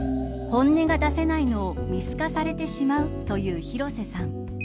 本音が出せないのを見透かされてしまうという広瀬さん。